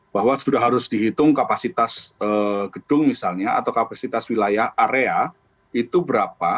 bahwa sudah harus dihitung kapasitas gedung misalnya atau kapasitas wilayah area itu berapa